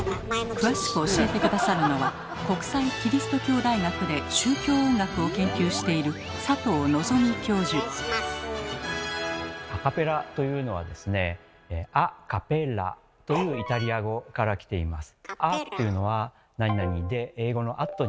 詳しく教えて下さるのは国際基督教大学で宗教音楽を研究しているアカペラというのはですね「ア・カペラ」というイタリア語からきています。